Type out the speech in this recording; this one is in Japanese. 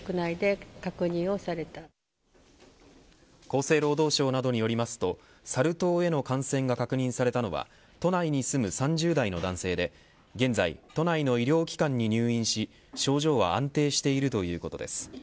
厚生労働省などによりますとサル痘への感染が確認されたのは都内に住む３０代の男性で現在、都内の医療機関に入院し症状は安定しているということです。